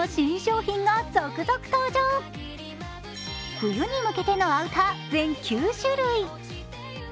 冬に向けてのアウター全９種類。